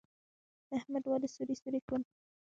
د احمد واده سوري سوري کړم.